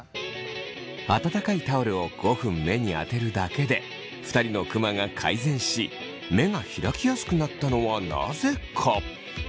温かいタオルを５分目にあてるだけで２人のクマが改善し目が開きやすくなったのはなぜか。